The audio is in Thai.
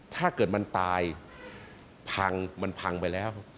ถ้าเกิดมันตายพังมันพังไปแล้ว